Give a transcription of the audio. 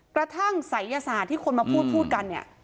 กระทั่งศัยยศาสตร์ที่คนมาพูดพูดกันเนี่ย